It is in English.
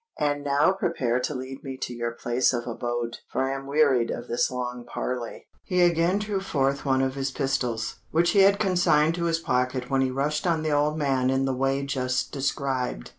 And now prepare to lead me to your place of abode—for I am wearied of this long parley." He again drew forth one of his pistols, which he had consigned to his pocket when he rushed on the old man in the way just described.